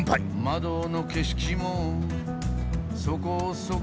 「窓の景色もそこそこに」